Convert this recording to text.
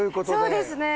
そうですね。